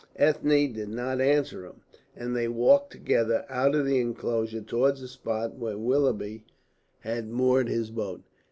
Ethne did not answer him, and they walked together out of the enclosure towards the spot where Willoughby had moored his boat.